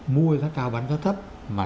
mua giá cao bán giá thấp mà